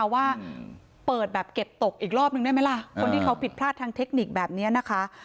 ว่าเปิดแบบเก็บตกอีกรอบนึงได้ไหมล่ะคนที่เขาผิดพลาดทางเทคนิคแบบนี้นะคะ